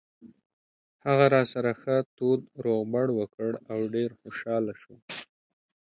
هغه راسره ښه تود روغبړ وکړ او ډېر خوشاله شو.